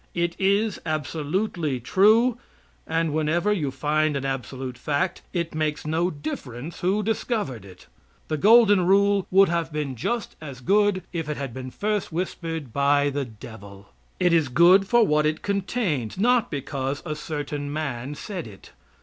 It is absolutely true, and whenever you find an absolute fact, it makes no difference who discovered it. The golden rule would have been just as good if it had first been whispered by the devil. It is good for what it contains, not because a certain man said it.